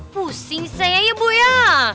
pusing saya ya bu ya